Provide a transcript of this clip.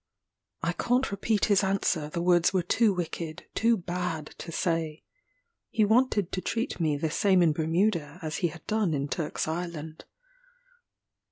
I can't repeat his answer, the words were too wicked too bad to say. He wanted to treat me the same in Bermuda as he had done in Turk's Island.